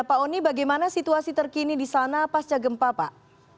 pak oni bagaimana situasi terkini di sana pasca gempa pak